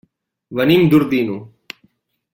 Venim d'Ordino.